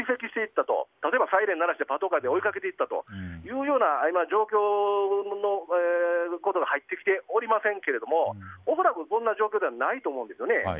たとえばサイレンを鳴らしてパトカーで追いかけていったという状況ということは入ってきておりませんけれども恐らく、そんな状況ではないと思うんですよね。